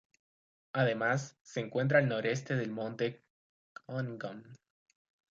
Además, se encuentra al noroeste del Monte Cunningham.